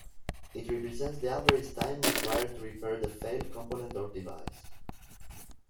It represents the average time required to repair a failed component or device.